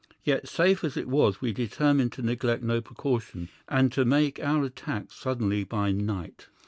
Yet, safe as it was, we determined to neglect no precaution, and to make our attack suddenly by night.